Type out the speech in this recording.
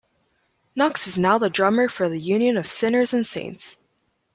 Knox is now the drummer for The Union of Sinners and Saints.